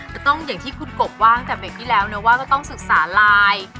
จะต้องอย่างที่คุณกบว่างจากเมื่อกี้แล้วเนี่ยว่าก็ต้องศึกษาลาย